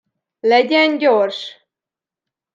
Legyen gyors!